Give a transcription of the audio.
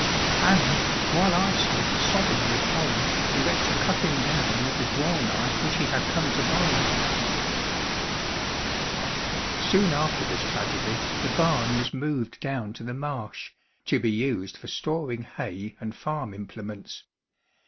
And, while I stood sobbing with horror, the rector cut him down with the draw knife which he had come to borrow. Soon after this tragedy, the barn was moved down to the marsh, to be used for storing hay and farm implements.